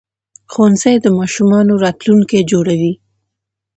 ښوونځي د ماشومانو راتلونکي جوړوي